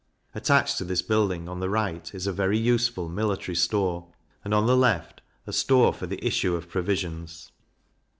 Attached to this building, on the right, is a very useful Military Store; and, on the left, a Store for the issue of Provisions.